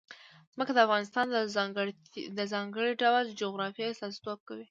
ځمکه د افغانستان د ځانګړي ډول جغرافیه استازیتوب کوي.